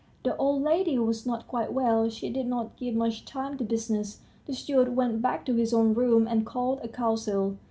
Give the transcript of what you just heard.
The old lady was not quite well; she did not give much time to business. The steward went back to his own room, and called a council.